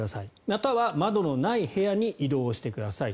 または窓のない部屋に移動してください。